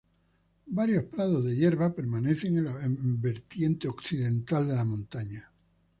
Varios prados de hierba permanecer en la vertiente occidental de la montaña.